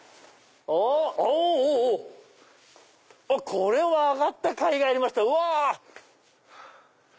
これは上がったかいがありましたうわ！